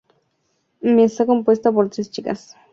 Mi está compuesta por tres chicas.